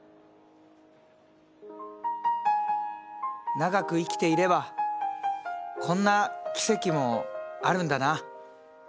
長く生きていればこんな奇跡もあるんだな。